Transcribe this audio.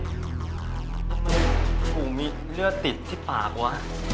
ทำไมกูมีเลือดติดที่ปากวะ